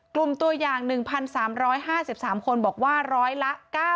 กลุ่มตัวอย่าง๑๓๕๓คนบอกว่าร้อยละ๙๐